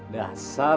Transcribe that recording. dasar anak muda